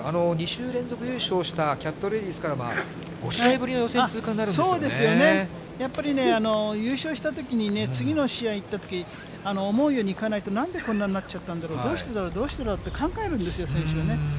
２週連続優勝したキャットレディスから、５試合ぶりの予選通過にそうですよね、やっぱりね、優勝したときに、次の試合に行ったとき、思うようにいかないって、なんでこんなんなっちゃったんだろう、どうしてだろう、どうしてだろうって考えるんですよ、選手はね。